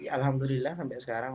alhamdulillah sampai sekarang